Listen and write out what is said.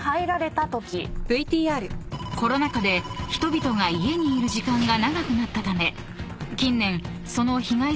［コロナ禍で人々が家にいる時間が長くなったため］